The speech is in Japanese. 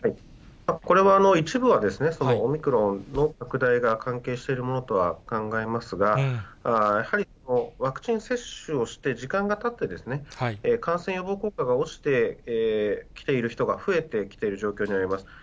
これは一部はオミクロンの拡大が関係してるものとは考えますが、やはりワクチン接種をして時間がたって感染予防効果が落ちてきている人が増えてきている状況にあります。